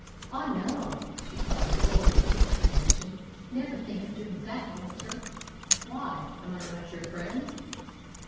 "Ah, no!" she cried, full of quick apprehension. "Never think of doing that, Walter!" "Why? Am I not your friend?"